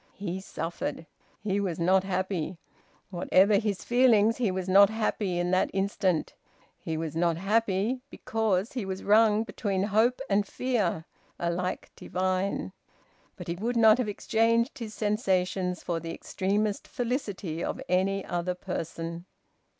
He suffered. He was not happy. Whatever his feelings, he was not happy in that instant. He was not happy because he was wrung between hope and fear, alike divine. But he would not have exchanged his sensations for the extremest felicity of any other person.